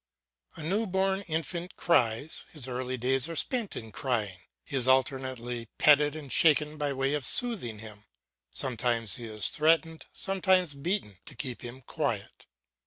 The new born infant cries, his early days are spent in crying. He is alternately petted and shaken by way of soothing him; sometimes he is threatened, sometimes beaten, to keep him quiet.